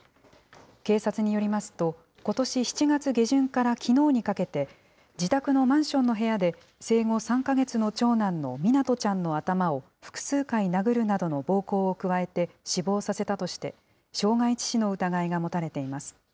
警察によりますと、ことし７月下旬からきのうにかけて、自宅のマンションの部屋で生後３か月の長男の湊ちゃんの頭を複数回殴るなどの暴行を加えて死亡させたとして、傷害致死の疑いが持たれています。